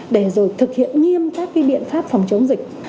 để rồi thực hiện nghiêm các biện pháp phòng chống dịch